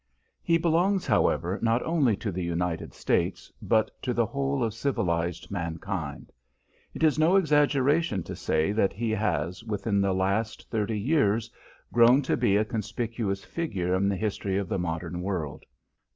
He belongs, however, not only to the United States, but to the whole of civilized mankind. It is no exaggeration to say that he has, within the last thirty years, grown to be a conspicuous figure in the history of the modern world.